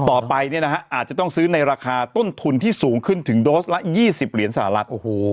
ต่อไปอาจจะต้องซื้อในราคาต้นทุนที่สูงขึ้นถึงโดสละ๒๐เหรียญสหรัฐ